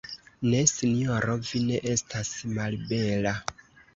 Ne, sinjoro, vi ne estas malbela.